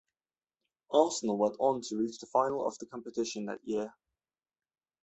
Arsenal went on to reach the final of the competition that year.